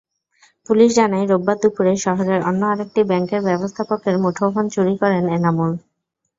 Police জানায়, রোববার দুপুরে শহরের অন্য আরেকটি ব্যাংকের ব্যবস্থাপকের মুঠোফোন চুরি করেন এনামুল।